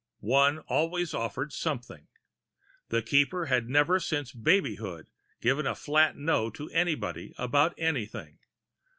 One always offered something. The Keeper had never since babyhood given a flat no to anybody about anything.